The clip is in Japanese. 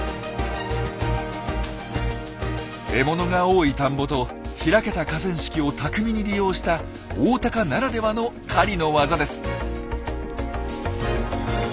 獲物が多い田んぼと開けた河川敷を巧みに利用したオオタカならではの狩りのワザです！